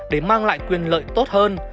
để mang lại quyền lợi tốt hơn